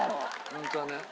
ホントだね。